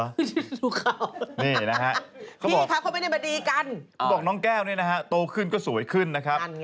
เหรอนี่นะฮะเขาบอกน้องแก้วเนี่ยนะฮะโตขึ้นก็สวยขึ้นนะครับ